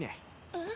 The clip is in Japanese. えっ？